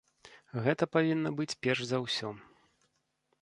Гэта павінна быць перш за ўсё.